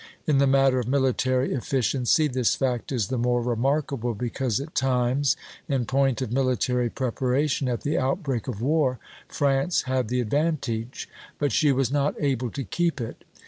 In the matter of military efficiency this fact is the more remarkable because at times, in point of military preparation at the outbreak of war, France had the advantage; but she was not able to keep it.